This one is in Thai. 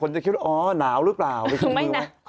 โคโพสชาแนลไปแล้ว